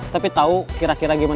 tapi tau kira kira gimana